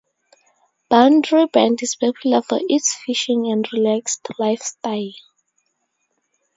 Boundary Bend is popular for its fishing and relaxed lifestyle.